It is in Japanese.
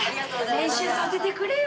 練習させてくれよ。